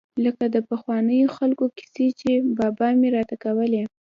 لکه د پخوانو خلقو کيسې چې بابا مې راته کولې.